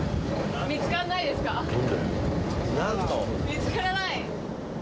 見付からない？